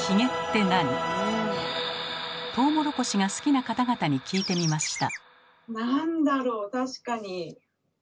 トウモロコシが好きな方々に聞いてみました。